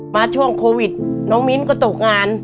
มาช่วงโควิดน้องมิ้นก็ตกงาน